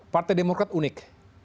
partai demokrat unik